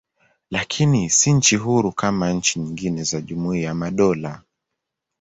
Lakini si nchi huru kama nchi nyingine za Jumuiya ya Madola.